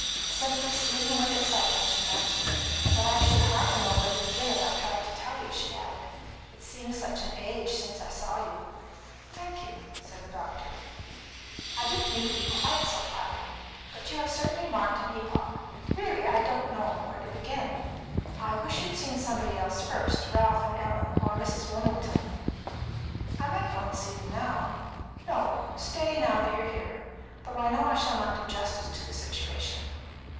"Simply seething with excitement," she answered. "But I should hardly know where to begin if I tried to tell you," she added. "It seems such an age since I saw you." "Thank you," said the doctor. "I didn't mean to be quite so flattering; but you have certainly marked an epoch. Really, I don't know where to begin. I wish you'd seen somebody else first Ralph and Ellen, or Mrs. Wilmington." "I might go and see them now." "No; stay, now you're here, though I know I shall not do justice to the situation."